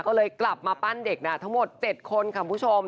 ก็เลยกลับมาปั้นเด็กทั้งหมด๗คนค่ะคุณผู้ชม